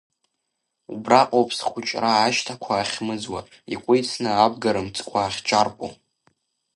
Убраҟоуп схәыҷра ашьҭақәа ахьмыӡуа, икәицны абгарымҵқәа ахьҿарпу.